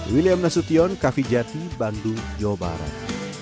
william nasution kavijati bandung jawa barat